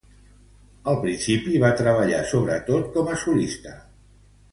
Al principi va treballar sobretot com a solista.